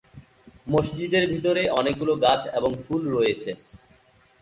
মসজিদের ভিতরে অনেকগুলি গাছ এবং ফুল রয়েছে।